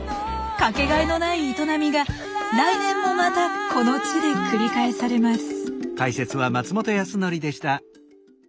掛けがえのない営みが来年もまたこの地で繰り返されます。